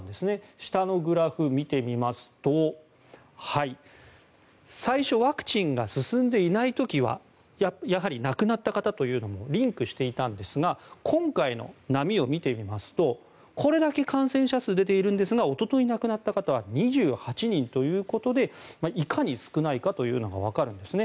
下のグラフを見てみますと最初ワクチンが進んでいない時はやはり、亡くなった方というのもリンクしていたんですが今回の波を見てみますとこれだけ感染者数が出ているんですがおととい亡くなった方は２８人ということでいかに少ないかというのがわかるんですね。